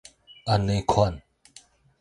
按呢款